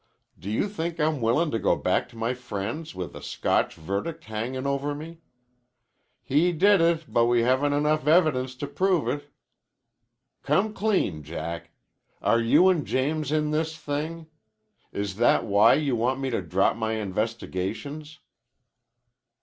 Do you think I'm willin' to go back to my friends with a Scotch verdict hangin' over me? 'He did it, but we haven't evidence enough to prove it.' Come clean, Jack! Are you and James in this thing? Is that why you want me to drop my investigations?"